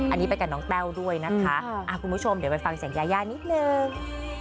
อันนี้ไปกับน้องแต้วด้วยนะคะคุณผู้ชมเดี๋ยวไปฟังเสียงยายานิดนึง